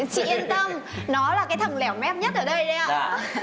chị yên tâm nó là cái thằng lẻo mép nhất ở đây đây ạ